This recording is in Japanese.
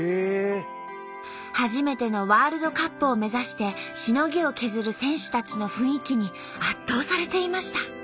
初めてのワールドカップを目指してしのぎを削る選手たちの雰囲気に圧倒されていました。